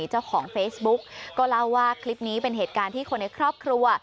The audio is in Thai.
เจ้าของเฟซบุ๊กก็เล่าว่าคลิปนี้เป็นเหตุการณ์ที่คนในครอบครัว